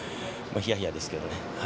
ひやひやでしたけどね。